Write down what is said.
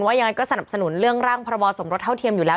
ยังไงก็สนับสนุนเรื่องร่างพรบสมรสเท่าเทียมอยู่แล้ว